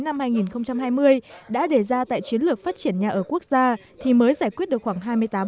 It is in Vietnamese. năm hai nghìn hai mươi đã đề ra tại chiến lược phát triển nhà ở quốc gia thì mới giải quyết được khoảng hai mươi tám